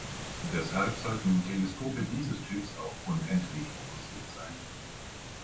Deshalb sollten Teleskope dieses Typs auf „unendlich“ fokussiert sein.